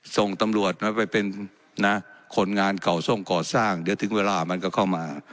ส่งตำรวจมาไปเป็นนะคนงานเก่าทรงก่อสร้างเดี๋ยวถึงเวลามันก็เข้ามา